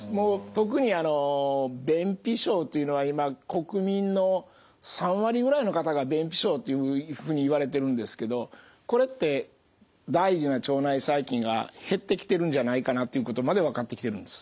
特にあの便秘症というのは今国民の３割ぐらいの方が便秘症というふうにいわれているんですけどこれって大事な腸内細菌が減ってきてるんじゃないかなっていうことまで分かってきてるんです。